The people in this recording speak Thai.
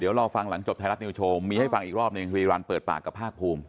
เดี๋ยวรอฟังหลังจบไทยรัฐนิวโชว์มีให้ฟังอีกรอบหนึ่งสิริรันเปิดปากกับภาคภูมิ